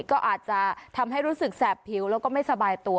ก็อาจจะทำให้รู้สึกแสบผิวแล้วก็ไม่สบายตัว